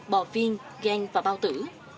bò viên gan và bao tử